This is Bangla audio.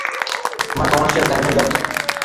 আমার কমার্শিয়াল গানই ভালো লাগে।